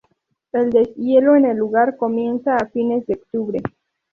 El deshielo en el lugar comienza a fines de octubre.